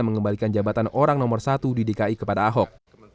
mengembalikan jabatan orang nomor satu di dki kepada ahok